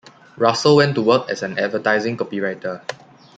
Russell went to work as an advertising copywriter.